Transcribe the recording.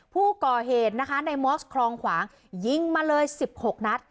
ผู้ก่อเหตุนะคะในมอสคลองขวางยิงมาเลย๑๖นัด